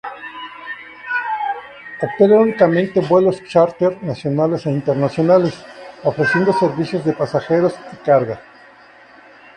Opera únicamente vuelos chárter nacionales e internacionales, ofreciendo servicios de pasajeros y carga.